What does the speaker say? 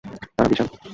তারা বিশাল।